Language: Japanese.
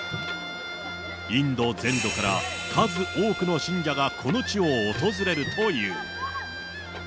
インド全土から数多くの信者がこの地を訪れるという。